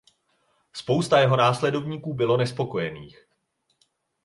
Spousta jeho následovníků bylo nespokojených.